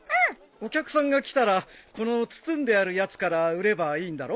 お客さんが来たらこの包んであるやつから売ればいいんだろ？